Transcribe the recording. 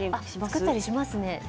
作ったりしますね。